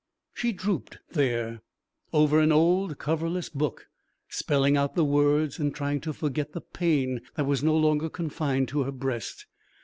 She drooped there over an old coverless book, spelling out the words and trying to forget the pain that was no longer confined to her breast.